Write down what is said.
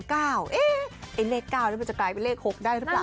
ไอ้เลข๙นั้นมันจะกลายเป็นเลข๖ได้หรือเปล่า